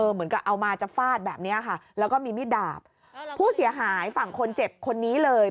เหมือนกับเอามาจะฟาดแบบเนี้ยค่ะแล้วก็มีมีดดาบผู้เสียหายฝั่งคนเจ็บคนนี้เลย